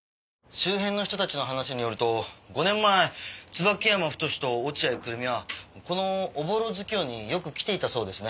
周辺の人たちの話によると５年前椿山太と落合久瑠実はこのおぼろ月夜によく来ていたそうですね。